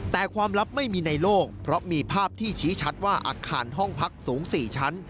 แต่ความลับไม่มีในโลกเพราะมีภาพที่ชี้ชัดว่าอาคารห้องพักสูง๔ชั้น